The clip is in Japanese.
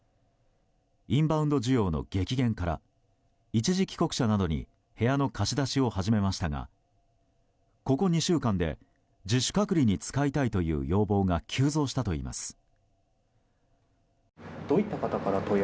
インバウンド需要の激減から一時帰国者などに部屋の貸し出しを始めましたがここ２週間で自主隔離に使いたいという要望が急増したといいます。